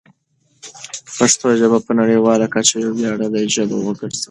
پښتو ژبه په نړیواله کچه یوه ویاړلې ژبه وګرځوئ.